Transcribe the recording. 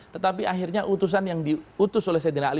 tetapi akhirnya utusan yang diutus oleh saidina ali